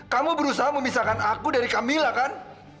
kamu berusaha memisahkan aku dari camilla kan